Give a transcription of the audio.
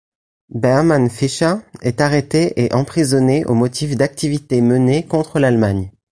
Bermann Fischer est arrêté et emprisonné au motif d'activités menées contre l'Allemagne.